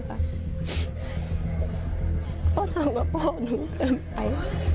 เขาทำกับพ่อหนูเกินไป